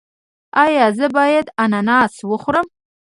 ایا زه باید اناناس وخورم؟